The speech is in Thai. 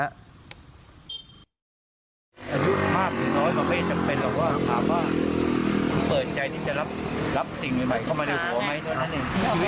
อาทิตย์มากหรือน้อยไม่จำเป็นหรอกว่า